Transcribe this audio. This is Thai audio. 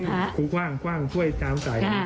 พูดว่ามันใกล้พร้อมใหม่